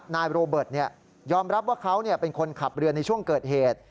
นายโรเบิร์ตยอมรับว่าเขาเป็นคนขับเรือในช่วงเกิดเหตุ